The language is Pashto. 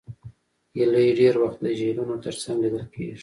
هیلۍ ډېر وخت د جهیلونو تر څنګ لیدل کېږي